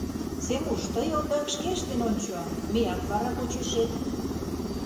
— Семуш, тый ондак шке ыштен ончо, меат вара почешет...